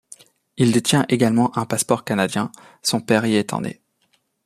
Il détient également un passeport canadien, son père y étant né.